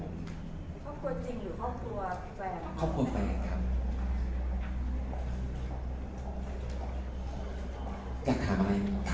ครอบครัวจริงหรือครอบครัวแฟนครับ